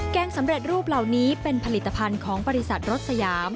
งสำเร็จรูปเหล่านี้เป็นผลิตภัณฑ์ของบริษัทรถสยาม